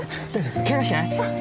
ケガしてない？